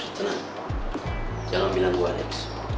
tenang jangan bilang gua lex